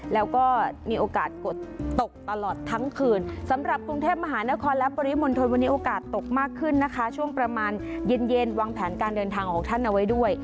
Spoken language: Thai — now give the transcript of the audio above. แล้วก็มีโอกาสกดตกตลอดทั้งคืนสำหรับกรุงเทพมหานครและปริมณฑลวันนี้โอกาสตกมากขึ้นนะคะช่วงประมาณเย็นวางแผนการเดินทางของท่านเอาไว้ด้วย